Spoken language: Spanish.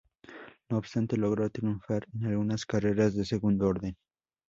No obstante, logró triunfar en algunas carreras de segundo orden.